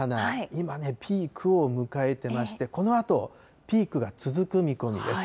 今ピークを迎えてまして、このあとピークが続く見込みです。